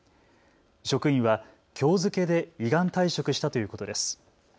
職員はきょう付けで依願退職したということです。